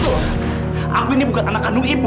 loh aku ini bukan anak kandung ibu